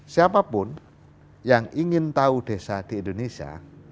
siapapun yang ingin tahu desa di indonesia